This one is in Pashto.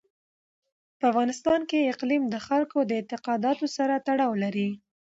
په افغانستان کې اقلیم د خلکو د اعتقاداتو سره تړاو لري.